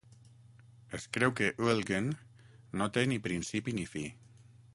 Es creu que Ülgen no té ni principi ni fi.